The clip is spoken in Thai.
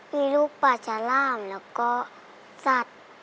มีรูปปลาฉลามแล้วก็สัตว์